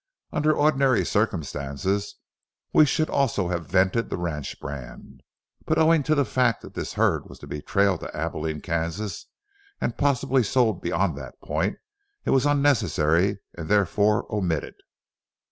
Under ordinary circumstances we should also have vented the ranch brand, but owing to the fact that this herd was to be trailed to Abilene, Kansas, and possibly sold beyond that point, it was unnecessary and therefore omitted.